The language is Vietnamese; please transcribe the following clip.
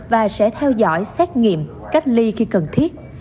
và sẽ theo dõi xét nghiệm cách ly khi cần thiết